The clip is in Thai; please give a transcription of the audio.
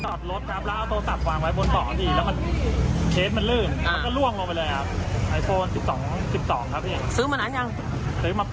โอ้โหค่ะจบด้วยรอยยิ้มนะคะ